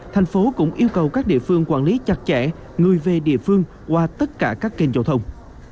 thành phố cũng yêu cầu các địa phương quản lý chặt chẽ người về địa phương qua tất cả các kênh giao thông